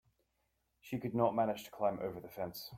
She could not manage to climb over the fence.